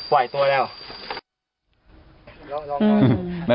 หวัยตัวแล้ว